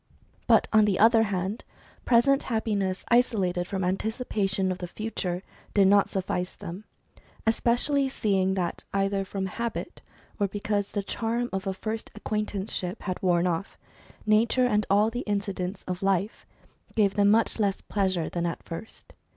But, on the other hand, present happiness isolated from anticipation of the future, did not suffice them ; especially seeing that, either from habit or because the charm of a first acquaint anceship had worn off, nature and all the incidents of A 2 HISTORY OF THE HUMAN RACE, life gave them much less pleasure than at first.